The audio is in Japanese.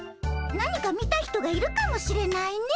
何か見た人がいるかもしれないね。